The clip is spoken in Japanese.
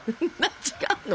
違うの？